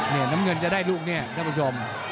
นี่น้ำเงินจะได้ลูกเนี่ยจะผสม